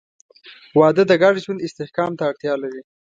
• واده د ګډ ژوند استحکام ته اړتیا لري.